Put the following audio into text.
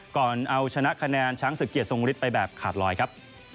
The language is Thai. ก่อนเอาชนะคะแนนช้างศึกเกียรทรงฤทธิไปแบบขาดลอยครับ